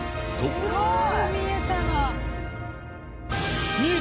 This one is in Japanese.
すごーい！